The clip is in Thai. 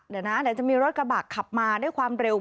เดี๋ยวนะเดี๋ยวจะมีรถกระบะขับมาด้วยความเร็ว